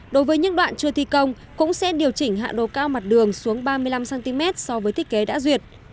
đối với những đoạn chưa thi công cũng sẽ điều chỉnh hạ đồ cao mặt đường xuống ba mươi năm cm so với thiết kế đã duyệt